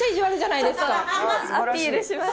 アピールしました。